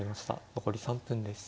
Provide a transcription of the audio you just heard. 残り３分です。